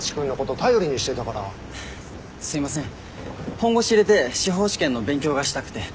本腰入れて司法試験の勉強がしたくて。